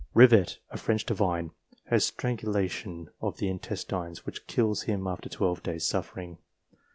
Rivet, a French divine, has strangulation of the intestines, which kills him after twelve days' suffering.